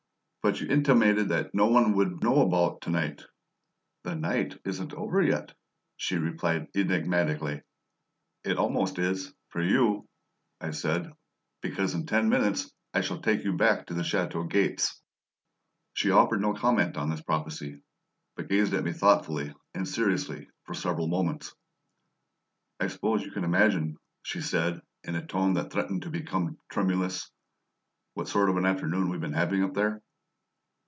"But you intimated that no one would know about to night!" "The night isn't over yet," she replied enigmatically. "It almost is for you," I said; "because in ten minutes I shall take you back to the chateau gates." She offered no comment on this prophecy, but gazed at me thoughtfully and seriously for several moments. "I suppose you can imagine," she said, in a tone that threatened to become tremulous, "what sort of an afternoon we've been having up there?"